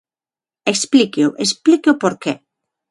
Explíqueo; explique o porqué.